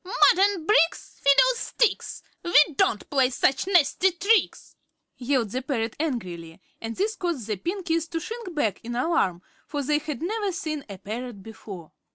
"Mud and bricks fiddlesticks! We don't play such nasty tricks," yelled the parrot, angrily, and this caused the Pinkies to shrink back in alarm, for they had never seen a parrot before.